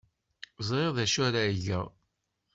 Ẓriɣ d acu ara geɣ.